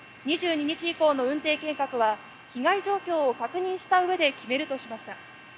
２２日以降の運転計画は被害状況を確認したうえで決めるとしました。